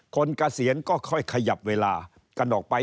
คนกระเสียญก็ค่อยขยับเวลากันออกไป